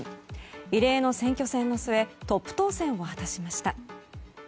異例の選挙戦の末トップ当選を果たしました。